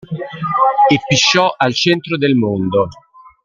E pisciò al centro del mondo.